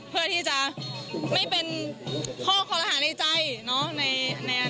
เพื่อที่จะไม่เป็นข้อคอละหารในใจในอนาคตหรืออะไรอย่างนี้ค่ะ